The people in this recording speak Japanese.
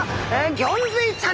ギョンズイちゃん。